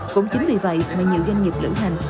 cũng chính vì vậy mà nhiều doanh nghiệp lữ hành